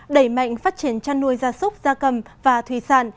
đẩy mạnh phát triển chăn nuôi gia súc gia cầm và thủy sản